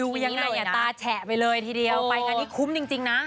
ยังไงอ่ะตาแฉะไปเลยทีเดียวไปงานนี้คุ้มจริงนะ